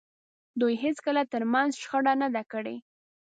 دوی هېڅکله تر منځ شخړه نه ده کړې.